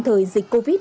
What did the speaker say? thời dịch covid